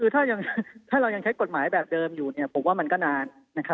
คือถ้าเรายังใช้กฎหมายแบบเดิมอยู่ผมว่ามันก็นาน